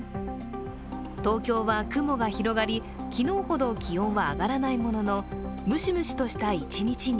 東京は、雲が広がり昨日ほど、気温は上がらないもののムシムシとした一日に。